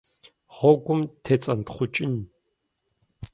Гъуэгум тецӀэнтхъукӀын.